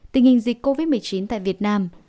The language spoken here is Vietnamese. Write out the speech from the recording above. tình hình dịch covid một mươi chín tại việt nam